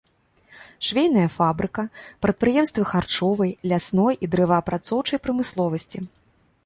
Швейная фабрыка, прадпрыемствы харчовай, лясной і дрэваапрацоўчай прамысловасці.